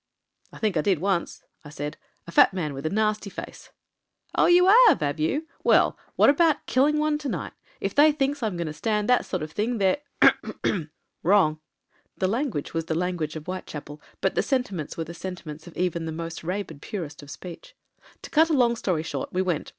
" 'I think I did once,' I said. *A fat man with a nasty face/ " *Oh ! you 'ave, 'ave you ? Well, wot abaht killing one to night. If they thinks I'm going to stand that sort of thing, they're wrong.' The lan guage was the language of Whitechapel, but the senti ments were the sentiments of even the most rabid purist of speech. "To cut a long story short, we went.